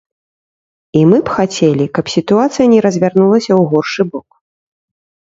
І мы б хацелі, каб сітуацыя не развярнулася ў горшы бок.